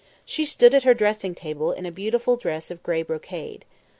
She stood at her dressing table in a beautiful dress of grey brocade.